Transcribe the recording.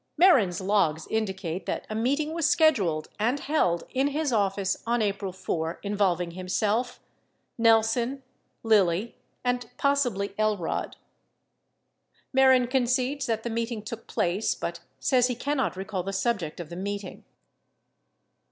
— Mehren's logs indicate that a meeting was sched uled and held in his office on April 4 involving himself, Nelson, Lilly, and possibly Elrod. Mehren concedes that the meeting took place but says he cannot recall the subject of the meeting.